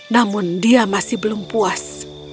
namun dia masih belum puas